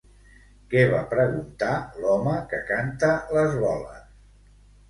Què va preguntar l'home que canta les boles?